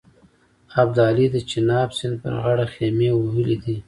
ابدالي د چیناب سیند پر غاړه خېمې وهلې دي.